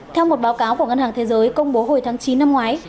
theo một báo cáo của ngân hàng thế giới công bố hồi tháng chín năm ngoái